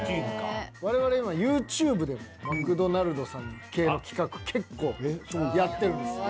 我々ＹｏｕＴｕｂｅでも「マクドナルド」さん系の企画結構やってるんです。